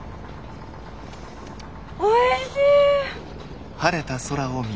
おいしい！